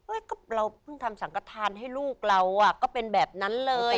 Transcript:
อุ๊ยเราเพิ่งทำศังษ์กระทานให้ลูกเราอะก็เป็นแบบนั้นเลย